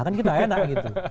kan kita enak gitu